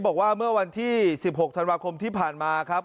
บอกว่าเมื่อวันที่๑๖ธันวาคมที่ผ่านมาครับ